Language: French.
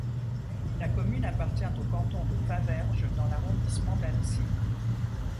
La commune appartient au canton de Faverges dans l'arrondissement d'Annecy.